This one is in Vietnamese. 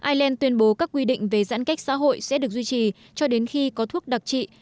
ireland tuyên bố các quy định về giãn cách xã hội sẽ được duy trì cho đến khi có thuốc đặc trị